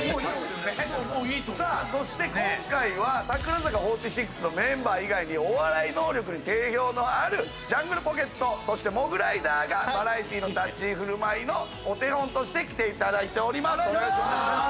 さあそして今回は櫻坂４６のメンバー以外にお笑い能力に定評のあるジャングルポケットそしてモグライダーがバラエティの立ち居振る舞いのお手本として来ていただいております。